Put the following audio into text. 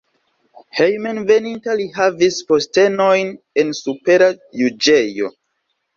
Hejmenveninta li havis postenojn en supera juĝejo.